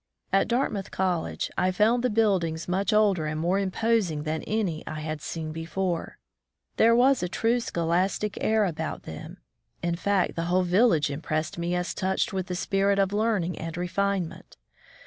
At Dartmouth College I found the build ings much older and more imposing than any I had seen before. There was a true scholastic air about them; in fact, the whole village impressed me as touched with the spirit of learning and refinement.